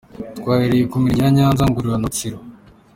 Twahereye ku Mirenge ya Nyanza, Ngororero na Rutsiro’’.